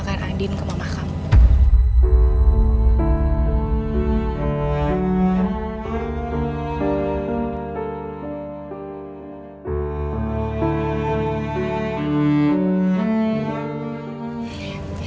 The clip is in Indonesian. sebaiknya aku akan mencari anda